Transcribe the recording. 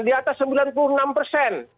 di atas sembilan puluh enam persen